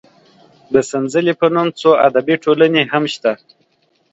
د سنځلې په نوم څو ادبي ټولنې هم شته.